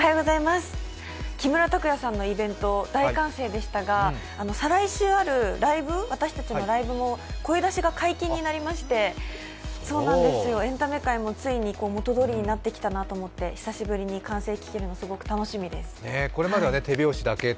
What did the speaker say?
木村拓哉さんのイベント、大歓声でしたが、再来週ある私たちのライブも声出しが解禁になりまして、エンタメ界もついに元通りになってきたなと思って久しぶりに歓声が聞けるの楽しみです。